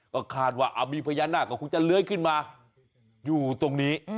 ก็คาดว่ามีพญานาคก็คงจะเลื้อยขึ้นมาอยู่ตรงนี้